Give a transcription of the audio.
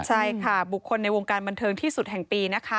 ใช่ค่ะบุคคลในวงการบันเทิงที่สุดแห่งปีนะคะ